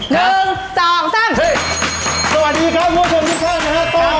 สวัสดีครับคุณผู้ชมทุกท่านนะครับ